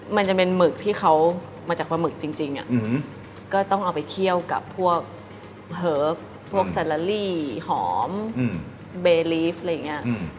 มันจะเป็นหมึกที่เขามาจากปลาหมึกจริงก็ต้องเอาไปเคี่ยวกับพวกเฮิร์กพวกซาลาลี่หอมเบลีฟอะไรอย่างนี้